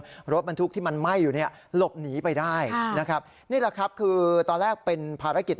รถบรรทุกที่มันไหม้อยู่เนี่ยหลบหนีไปได้นะครับนี่แหละครับคือตอนแรกเป็นภารกิจ